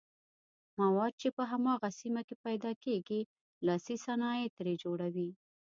مواد چې په هماغه سیمه کې پیداکیږي لاسي صنایع ترې جوړوي.